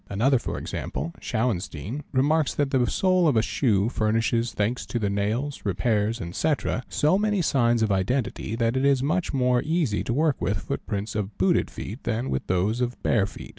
Another, for example Shauenstein, remarks that the sole of a shoe furnishes, thanks to the nails, repairs, &c., so many signs of identity that 1t is much more easy to work with footprints of booted feet than with those of bare feet.